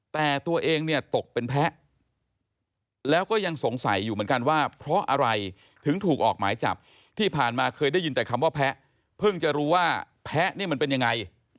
แต่ตัวเองเนี่ยตกเป็นแพ้แล้วก็ยังสงสัยอยู่เหมือนกันว่าเพราะอะไรถึงถูกออกหมายจับที่ผ่านมาเคยได้ยินแต่คำว่าแพ้เพิ่งจะรู้ว่าแพ้นี่มันเป็นยังไง